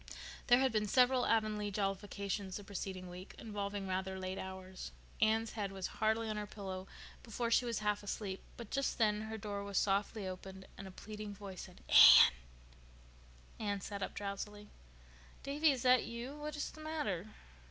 There had been several Avonlea jollifications the preceding week, involving rather late hours. Anne's head was hardly on her pillow before she was half asleep; but just then her door was softly opened and a pleading voice said, "Anne." Anne sat up drowsily. "Davy, is that you? What is the matter?"